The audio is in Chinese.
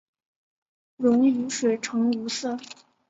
溶于水呈无色。